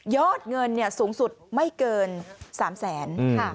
อดเงินสูงสุดไม่เกิน๓แสน